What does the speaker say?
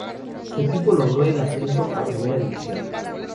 Su equipo logró el ascenso a Primera División.